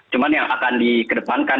cuman yang akan dikedepankan